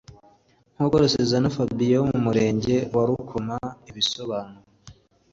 nkuko Rusizana Fabien wo mu murenge wa Rukoma abisobanura